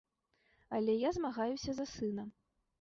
Але я змагаюся за сына.